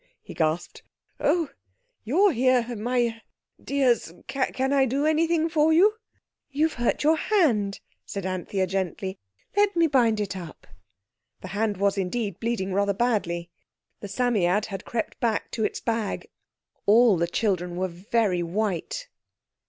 he gasped. "Oh, you're here, my—er—dears. Can I do anything for you?" "You've hurt your hand," said Anthea gently; "let me bind it up." The hand was indeed bleeding rather badly. The Psammead had crept back to its bag. All the children were very white.